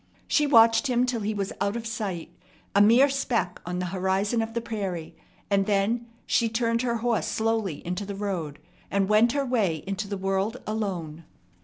She watched him till he was out of sight, a mere speck on the horizon of the prairie; and then she turned her horse slowly into the road, and went her way into the world alone.